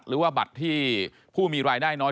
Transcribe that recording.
หรือว่าบัตรที่ผู้มีรายได้น้อย